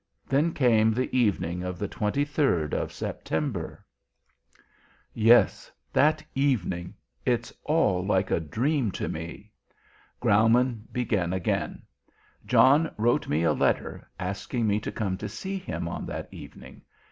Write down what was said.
"Then came the evening of the 23rd of September?" "Yes, that evening it's all like a dream to me." Graumann began again. "John wrote me a letter asking me to come to see him on that evening.